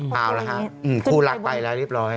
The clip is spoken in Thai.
เอาละฮะคู่รักไปแล้วเรียบร้อย